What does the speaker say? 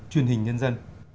truyền hình nhân dân